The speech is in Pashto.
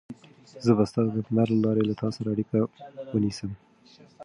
زه به ستا د نمبر له لارې له تا سره اړیکه ونیسم.